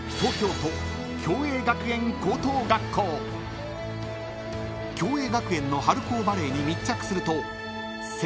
［共栄学園の春高バレーに密着すると］